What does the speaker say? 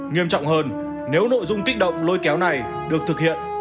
nghiêm trọng hơn nếu nội dung kích động lôi kéo này được thực hiện